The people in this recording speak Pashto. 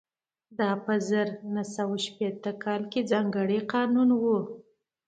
دا په زر نه سوه شپېته کال کې ځانګړی قانون و